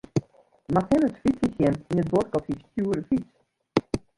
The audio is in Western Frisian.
Moatst him ris fytsen sjen yn 'e bosk op syn stoere fyts.